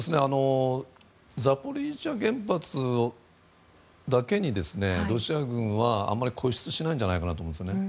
ザポリージャ原発だけにロシア軍はあまり固執しないんじゃないかなと思うんですね。